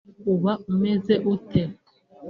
Uba umeze ute